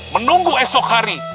menunggu esok hari